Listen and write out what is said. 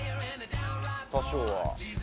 多少は。